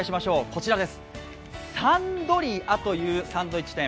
こちらです、サンドリアというサンドイッチ店。